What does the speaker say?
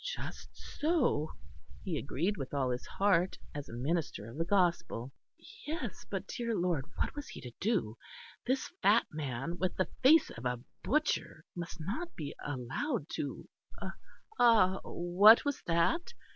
Just so, he agreed with all his heart, as a minister of the Gospel. (Yes, but, dear Lord, what was he to do? This fat man with the face of a butcher must not be allowed to ) Ah! what was that?